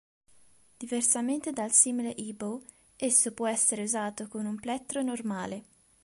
Diversamente dal simile e-bow, esso può essere usato con un plettro normale.